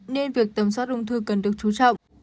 nên việc tầm soát ung thư cần được chú trọng